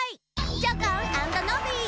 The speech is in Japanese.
チョコンアンドノビー！